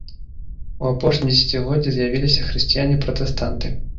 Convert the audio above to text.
У апошнія дзесяцігоддзі з'явіліся хрысціяне-пратэстанты.